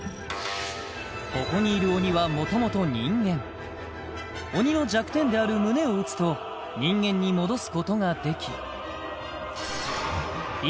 ここにいる鬼は元々人間鬼の弱点である胸を撃つと人間に戻すことができ１